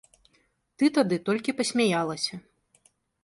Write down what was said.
Ты тады толькі пасмяялася.